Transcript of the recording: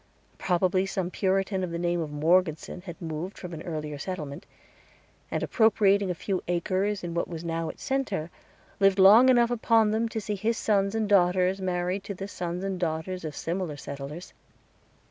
Probably some Puritan of the name of Morgeson had moved from an earlier settlement, and, appropriating a few acres in what was now its center, lived long enough upon them to see his sons and daughters married to the sons and daughters of similar settlers.